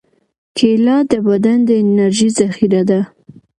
کېله د بدن د انرژۍ ذخیره ده.